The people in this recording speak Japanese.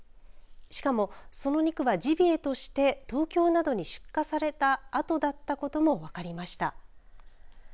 しかもその肉はジビエとして東京などに出荷されたあとだったことも分かりました。